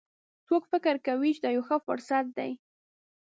څوک فکر کوي چې دا یوه ښه فرصت ده